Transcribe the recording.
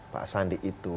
pak sandi itu